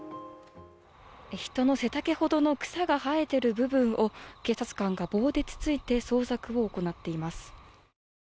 人の背丈ほどの草が生えている部分を警察官が棒でつついて捜索を行っています。